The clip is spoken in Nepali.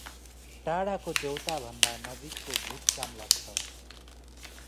टाढाको देउता भन्दा नजिकको भूत काम लाग्छ